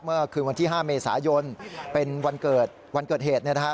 เมื่อคืนวันที่๕เมษายนเป็นวันเกิดเหตุนะครับ